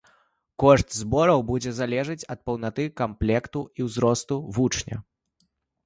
Кошт збораў будзе залежаць ад паўнаты камплекту і ўзросту вучня.